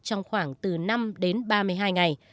trong khoảng từ năm đến ba mươi hai ngày